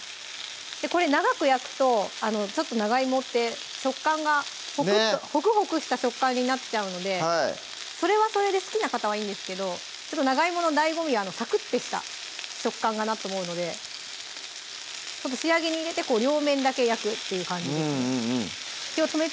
これ長く焼くとちょっと長いもって食感がホクホクした食感になっちゃうのでそれはそれで好きな方はいいんですけど長いもの醍醐味はサクッてした食感かなと思うので仕上げに入れて両面だけ焼くっていう感じですね